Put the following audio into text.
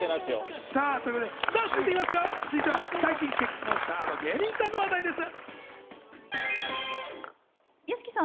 続いては最近結婚したあの芸人さんの話題です。